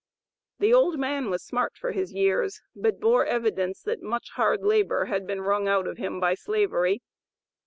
The old man was smart for his years, but bore evidence that much hard labor had been wrung out of him by Slavery.